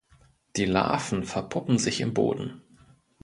Die Larven verpuppen sich im Boden.